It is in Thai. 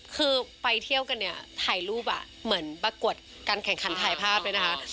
คือไปเที่ยวกันเนี่ยถ่ายรูปเหมือนประกวดการแข่งขันถ่ายภาพด้วยนะคะ